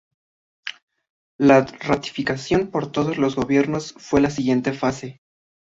La ratificación por todos los gobiernos fue la siguiente fase.